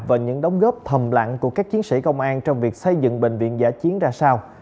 và những đóng góp thầm lặng của các chiến sĩ công an trong việc xây dựng bệnh viện giả chiến ra sao